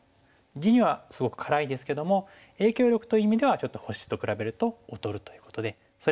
地にはすごく辛いですけども影響力という意味ではちょっと星と比べると劣るということでそれぞれ一長一短。